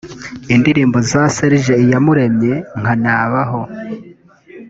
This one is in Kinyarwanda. Indirimbo za Serge Iyamuremye nka ‘Nabaho